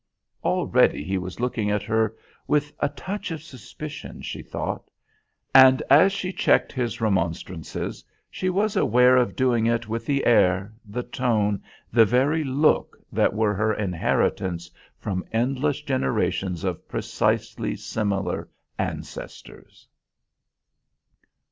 Already he was looking at her with a touch of suspicion, she thought; and as she checked his remonstrances, she was aware of doing it with the air, the tone, the very look that were her inheritance from endless generations of precisely similar ancestors.